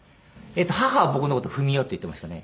母は僕の事を文世って言ってましたね。